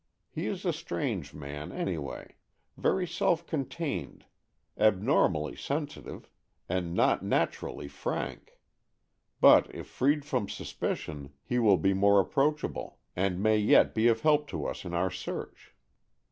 He is a strange man, any way; very self contained, abnormally sensitive, and not naturally frank. But if freed from suspicion he will be more approachable, and may yet be of help to us in our search."